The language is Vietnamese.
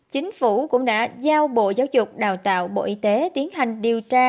chính phủ cũng đã giao bộ giáo dục đào tạo bộ y tế tiến hành điều tra